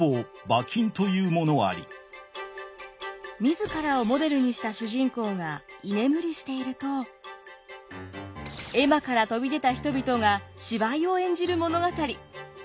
自らをモデルにした主人公が居眠りしていると絵馬から飛び出た人々が芝居を演じる物語。